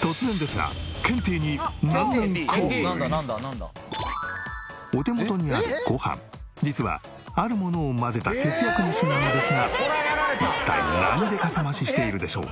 突然ですがケンティーにお手元にあるごはん実はあるものを混ぜた節約メシなのですが一体何でかさ増ししているでしょう？